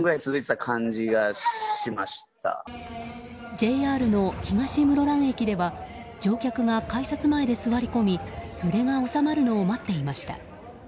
ＪＲの東室蘭駅では乗客が改札前で座り込み揺れが収まるのを待っていました。